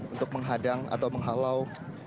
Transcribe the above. untuk menghadang atau menghalau